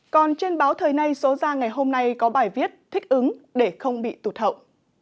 còn trên báo thời nay số ra ngày hôm nay có bài viết thích ứng để không bị tụt hậu